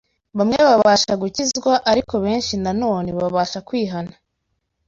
Bamwe babasha gukizwa, ariko benshi na none babasha kwihana